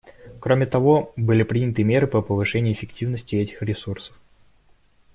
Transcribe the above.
Кроме того, были приняты меры по повышению эффективности этих ресурсов.